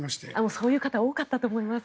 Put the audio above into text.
そういう方多かったと思います。